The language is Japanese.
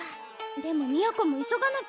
でも美弥子も急がなきゃ。